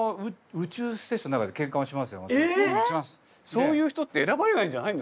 そういう人って選ばれないんじゃないんですか？